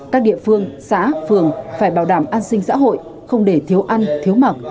các địa phương xã phường phải bảo đảm an sinh xã hội không để thiếu ăn thiếu mặc